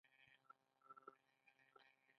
آیا کاناډا المپیک لوبې نه دي جوړې کړي؟